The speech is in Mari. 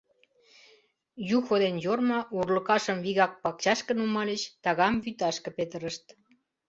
Юхо ден Йорма урлыкашым вигак пакчашке нумальыч, тагам вӱташке петырышт.